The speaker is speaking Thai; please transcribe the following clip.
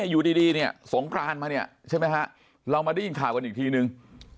อยู่ดีสงกรานมาเรามาได้ยินข่ากันอีกทีนึง